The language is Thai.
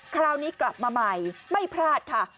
คราวนี้กลับมาใหม่ไม่พลาดค่ะ